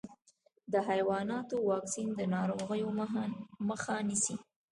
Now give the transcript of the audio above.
د حیواناتو واکسین د ناروغیو مخه نيسي.